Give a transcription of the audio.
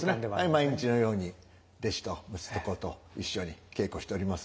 毎日のように弟子と息子と一緒に稽古しております。